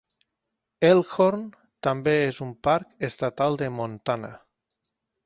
Elkhorn també és un parc estatal de Montana.